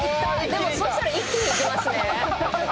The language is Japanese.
「でもそしたら一気にいきますね」